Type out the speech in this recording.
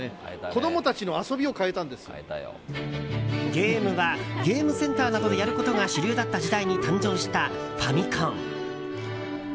ゲームはゲームセンターなどでやることが主流だった時代に誕生したファミコン。